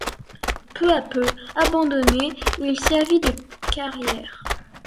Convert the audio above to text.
Peu à peu abandonné, il servit de carrière.